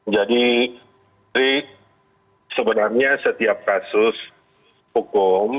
jadi putri sebenarnya setiap kasus hukum